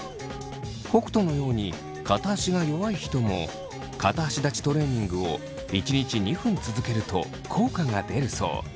北斗のように片足が弱い人も片足立ちトレーニングを１日２分続けると効果が出るそう。